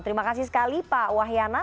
terima kasih sekali pak wahyana